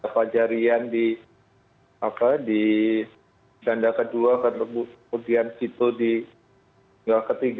pak jarian di ganda kedua kemudian sito di ganda ketiga